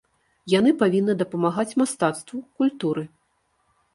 Яны павінны дапамагаць мастацтву, культуры.